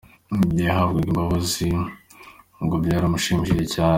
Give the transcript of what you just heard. Mu gihe yahabwaga imbabazi, ngo byaramushimishije cyane.